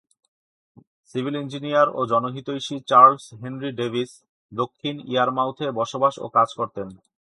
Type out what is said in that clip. Civil engineer ও জনহিতৈষী Charles Henry Davis দক্ষিণ ইয়ারমাউথে বসবাস ও কাজ করতেন।